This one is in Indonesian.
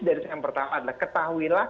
dari saya yang pertama adalah ketahuinlah